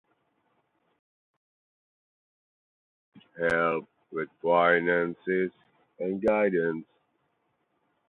What can I help you with today?